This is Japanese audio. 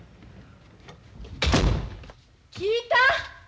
聞いた？